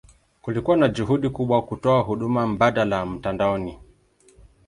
Kulikuwa na juhudi kubwa kutoa huduma mbadala mtandaoni.